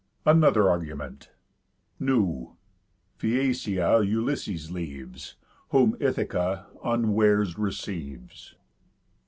ANOTHER ARGUMENT Νυ̑. Phæacia Ulysses leaves; Whom Ithaca, Unwares, receives.